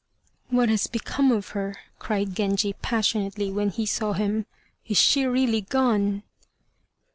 "What has become of her?" cried Genji, passionately, when he saw him. "Is she really gone?"